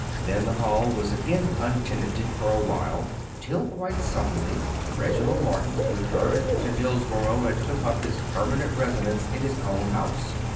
Then the Hall was again untenanted for awhile, till, quite suddenly, Reginald Morton returned to Dillsborough, and took up his permanent residence in his own house.